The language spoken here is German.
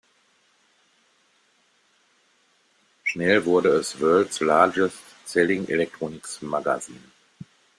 Schnell wurde es „World's Largest-Selling Electronics Magazine“.